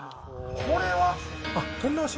これは？